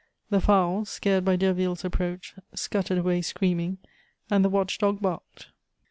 The fowls, scared by Derville's approach, scuttered away screaming, and the watch dog barked.